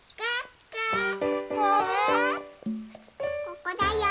ここだよ。